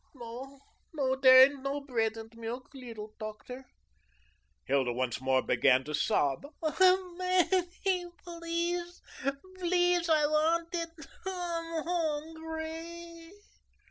"No, no, dere aindt no braid end miluk, leedle tochter." Hilda once more began to sob. "Ach, Mammy, please, PLEASE, I want it. I'm hungry."